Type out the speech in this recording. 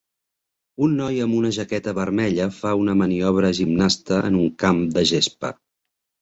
Un noi amb una jaqueta vermella fa una maniobra gimnasta en un camp de gespa.